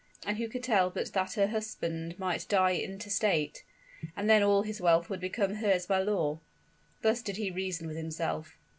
And who could tell but that her husband might die intestate? and then all his wealth would become hers by law. Thus did he reason with himself.